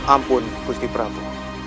ampun khusni prabu